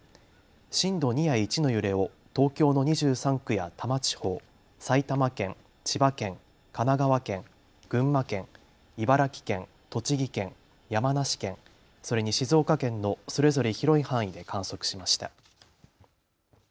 震度２や１の揺れを東京の２３区や多摩地方、埼玉県、千葉県、神奈川県、群馬県、茨城県、栃木県、山梨県、それに静岡県のそれぞれ広い範囲で観測しました。